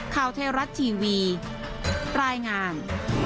ข่าวเทศรัทย์ทีวีตรายงาน